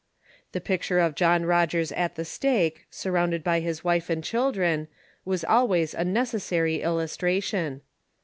The picture of John Rogers at the stake, surrounded by his wife and children, was always a necessary illustration.